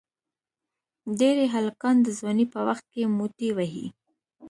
ډېری هلکان د ځوانی په وخت کې موټی وهي.